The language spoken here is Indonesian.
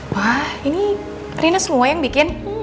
wah ini rina semua yang bikin